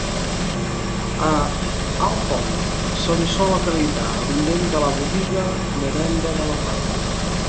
A Alfond se li sol acreditar l'invent de la botiga de venda de la fàbrica.